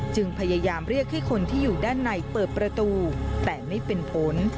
จึงพยายามเรียกให้คนที่อยู่ด้านในเปิดประตูแต่ไม่เป็นผล